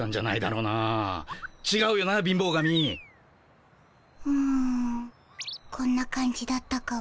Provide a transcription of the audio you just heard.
うんこんな感じだったかも。